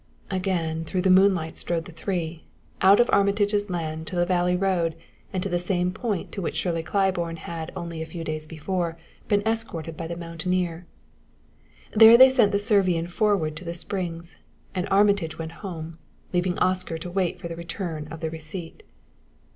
Again through the moonlight strode the three out of Armitage's land to the valley road and to the same point to which Shirley Claiborne had only a few days before been escorted by the mountaineer. There they sent the Servian forward to the Springs, and Armitage went home, leaving Oscar to wait for the return of the receipt.